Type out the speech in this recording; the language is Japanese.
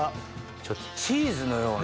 ちょっとチーズのような。